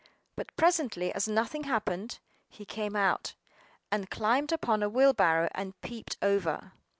But presently, as nothing happened, he came out, and climbed upon a wheelbarrow, and peeped over.